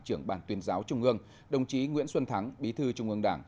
trưởng bàn tuyên giáo trung ương đồng chí nguyễn xuân thắng bí thư trung ương đảng